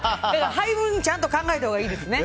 配分をちゃんと考えたほうがいいですね。